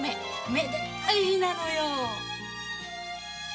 めでたい日なのよ！